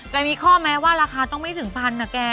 มีข้อแม้ว่าราคาต้องไม่ถึงพันนะแก